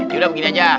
yaudah begini aja